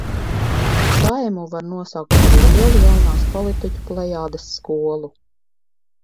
Saeimu var nosaukt par lielu jaunās politiķu plejādes skolu.